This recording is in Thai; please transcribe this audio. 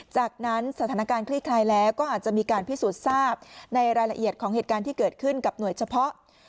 จากนั้นสถานการณ์คลี่คลายแล้วก็อาจจะมีการพิสูจน์ทราบในรายละเอียดของเหตุการณ์ที่เกิดขึ้นกับหน่วยเฉพาะ